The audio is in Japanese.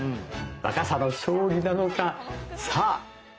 若さの勝利なのかさあ！